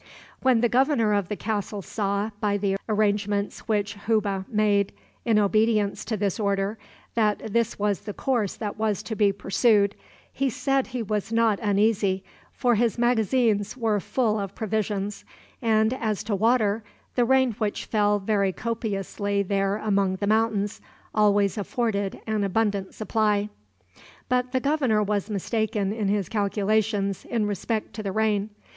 When the governor of the castle saw, by the arrangements which Hubbe made in obedience to this order, that this was the course that was to be pursued, he said he was not uneasy, for his magazines were full of provisions, and as to water, the rain which fell very copiously there among the mountains always afforded an abundant supply. But the governor was mistaken in his calculations in respect to the rain.